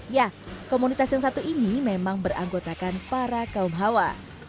ya komunitas yang satu ini memang beranggotakan para kaum hawa